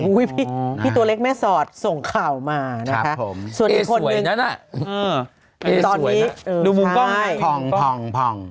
อุ้ยพี่ตัวเล็กแม่สอดส่งข่าวมานะคะส่วนอีกคนนึงเอ๊สวยนะเอ๊สวยดูมุมกล้องไงพอง